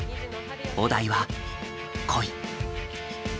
お題は「恋」。